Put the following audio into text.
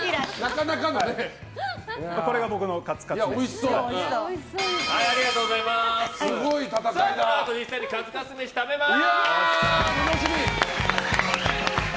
これが僕のカツカツ飯です。